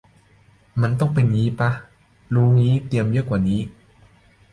มันก็ต้องเป็นงี้ป่ะ รู้งี้เตรียมเยอะกว่านี้